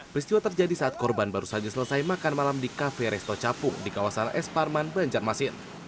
peristiwa terjadi saat korban baru saja selesai makan malam di kafe resto capung di kawasan es parman banjarmasin